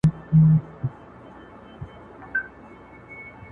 جهاني به پر لکړه پر کوڅو د جانان ګرځي؛